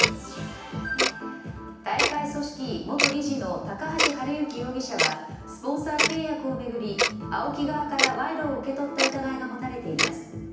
大会組織委元理事の高橋治之容疑者はスポンサー契約を巡りＡＯＫＩ側から賄賂を受け取った疑いが持たれています。